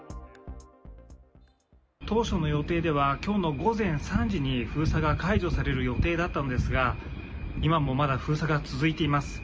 ーとうしょのよていではきょうの午前３時に、封鎖が解除される予定だったんですが、今もまだ封鎖が続いています。